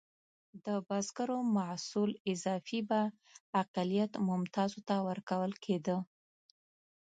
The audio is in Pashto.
د بزګرو محصول اضافي به اقلیت ممتازو ته ورکول کېده.